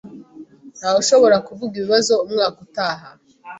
Ntawushobora kuvuga ibizaba umwaka utaha